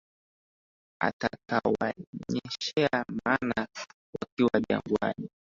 Akawanyeshea mana wakiwa jangwani.